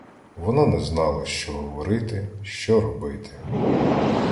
Вона не знала, що говорити, що робити.